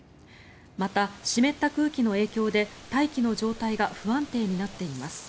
また、湿った空気の影響で大気の状態が不安定になっています。